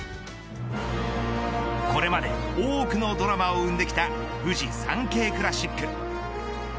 これまで多くのドラマを生んできたフジサンケイクラシック。